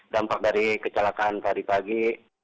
dampak dari kecelakaan tadi pagi